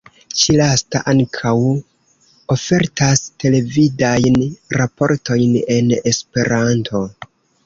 Ĉi-lasta ankaŭ ofertas televidajn raportojn en Esperanto.